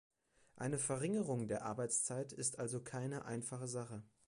Eine Verringerung der Arbeitszeit ist also keine einfache Sache.